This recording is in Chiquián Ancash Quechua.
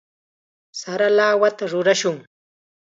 Sara lawata rurashun.